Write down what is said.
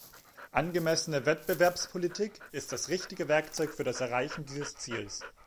Angemessene Wettbewerbspolitik ist das richtige Werkzeug für das Erreichen dieses Ziels.